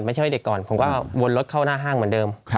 ไม่ใช่ว่าเด็กก่อนผมก็วนรถเข้าหน้าห้างเหมือนเดิม